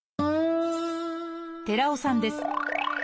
寺尾さんです。